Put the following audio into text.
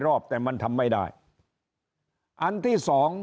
รอบแต่มันทำไม่ได้อันที่สอง